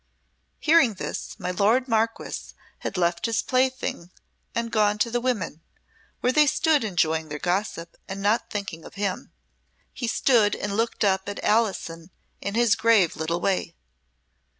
Hearing this, my lord Marquess had left his playing and gone to the women, where they stood enjoying their gossip and not thinking of him. He stood and looked up at Alison in his grave little way.